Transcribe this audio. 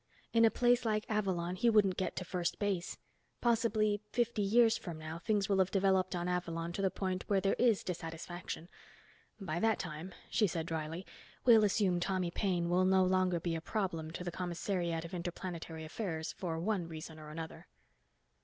In a place like Avalon he wouldn't get to first base. Possibly fifty years from now, things will have developed on Avalon to the point where there is dissatisfaction. By that time," she said dryly, "we'll assume Tommy Paine will no longer be a problem to the Commissariat of Interplanetary Affairs for one reason or the other."